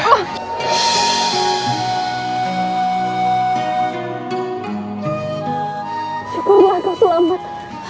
syukurlah kau selamat